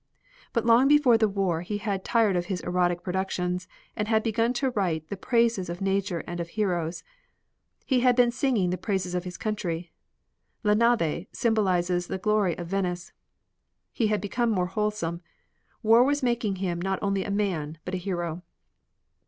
But long before the war he had tired of his erotic productions and had begun to write the praises of Nature and of heroes. He had been singing the praises of his country. "La Nave" symbolizes the glory of Venice. He had become more wholesome. War was making him not only a man but a hero.